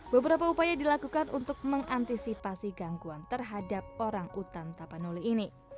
beberapa upaya dilakukan untuk mengantisipasi gangguan terhadap orang utan tapanuli ini